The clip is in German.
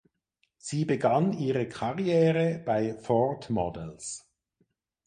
Sie begann ihre Karriere bei Ford Models.